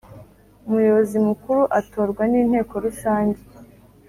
Umuyobozi mukuru atorwa n’ inteko Rusange